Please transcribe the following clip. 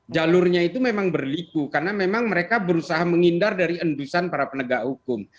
jalurnya itu memang berliku karena memang mereka berusaha menghindar dari endusan para penegak hukum